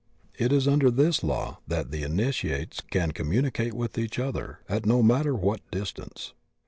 It is under this law that the Initiates can com mimicate with each other at no matter what distance.